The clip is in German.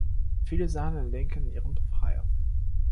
Viele sahen in Lincoln ihren Befreier.